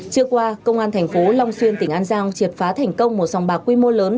trước qua công an tp long xuyên tỉnh an giang triệt phá thành công một dòng bạc quy mô lớn